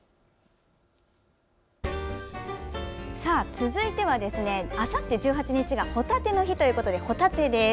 続いてはあさって１８日がホタテの日ということでホタテです。